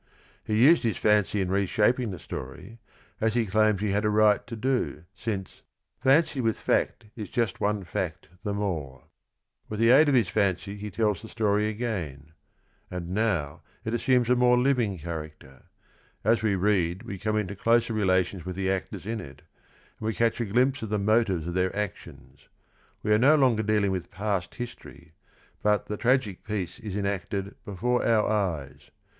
He used his fancy in reshaping the story — as he claims he had a right to do, since V "Fnnpylin't.h fafit is jn^fTTnp fapt. t.hp mrW" With the aid of his fancy he tells the story again ;— and now it assumes a more living character. As we read we come into closer relations with the actors in it, and we catch a glimpse of the motives of their actions. We are no longer deal ing with past hisfory, but the "tragic piece" is enacted before our eyes.